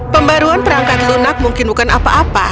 pembaruan perangkat lunak mungkin bukan apa apa